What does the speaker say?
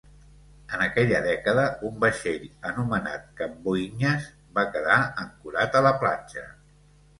En aquella dècada, un vaixell anomenat "Camboinhas" va quedar ancorat a la platja.